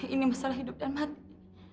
ini masalah hidup dan hati